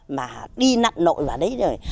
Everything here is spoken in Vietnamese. mà đi nặng nội vào đấy rồi